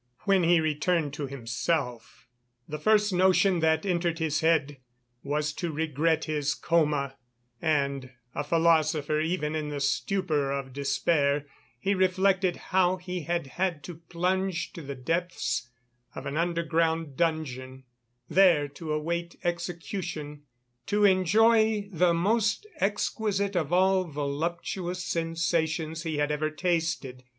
When he returned to himself, the first notion that entered his head was to regret his coma and, a philosopher even in the stupor of despair, he reflected how he had had to plunge to the depths of an underground dungeon, there to await execution, to enjoy the most exquisite of all voluptuous sensations he had ever tasted.